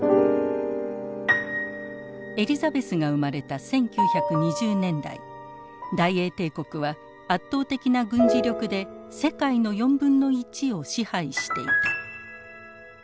エリザベスが生まれた１９２０年代大英帝国は圧倒的な軍事力で世界の４分の１を支配していた。